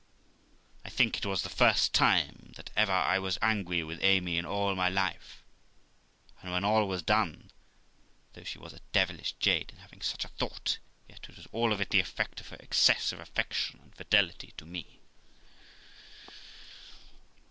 I think it was the first time that ever I was angry with Amy in all my life; and when all was done, though she was a devilish jade in having such a thought, yet it was all of it the effect of her excess of affection and fidelitv to me.